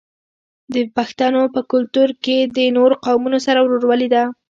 د پښتنو په کلتور کې د نورو قومونو سره ورورولي ده.